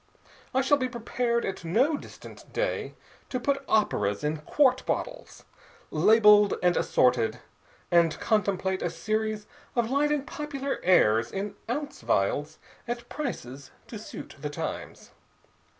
I shall be prepared at no distant day to put operas in quart bottles, labeled and assorted, and contemplate a series of light and popular airs in ounce vials at prices to suit the times.